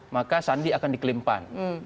maka sandi akan diklimpan